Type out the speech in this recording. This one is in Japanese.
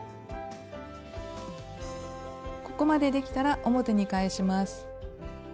ここまでできたら表に返します。